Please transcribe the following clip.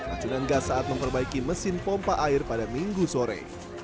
acunan gas saat memperbaiki mesin pompa air pada minggu sore